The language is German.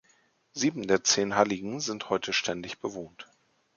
Sieben der zehn Halligen sind heute ständig bewohnt.